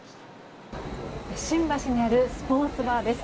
新橋にあるスポーツバーです。